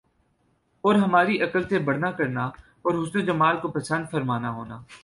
اور ہماری عقل سے بڑھنا کرنا اور حسن و جمال کو پسند فرمانا ہونا